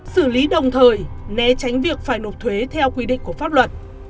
xử lý đồng thời né tránh việc phải nộp thuế theo quy định của pháp luật